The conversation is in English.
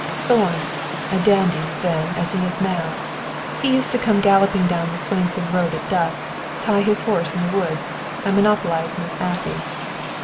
"Thorn. A dandy, then, as he is now. He used to come galloping down the Swainson road at dusk, tie his horse in the woods, and monopolize Miss Afy."